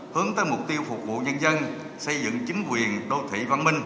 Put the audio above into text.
hướng tới mục tiêu phục vụ nhân dân xây dựng chính quyền đô thị văn minh